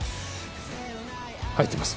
入ってます